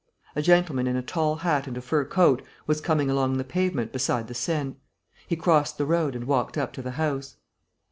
A gentleman in a tall hat and a fur coat was coming along the pavement beside the Seine. He crossed the road and walked up to the house.